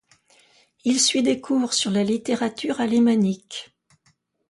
Il suit des cours sur la littérature alémanique.